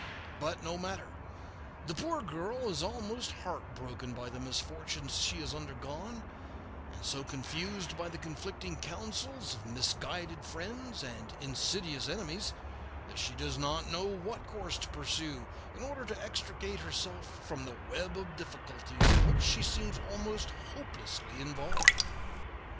But no matter, the poor girl is almost heartbroken by the misfortunes she has undergone, and so confused by the conflicting counsels of misguided friends and insidious enemies that she does not know what course to pursue in order to extricate herself from the web of difficulties in which she seems almost hopelessly involved.